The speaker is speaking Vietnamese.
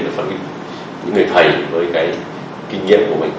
và những người thầy với cái kinh nghiệm của mình